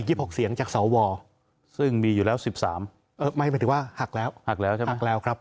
อีก๒๖เสียงจากสอวรซึ่งมีอยู่แล้ว๑๓ไม่หมายถึงว่าหักแล้วหักแล้วใช่ไหมหักแล้วครับ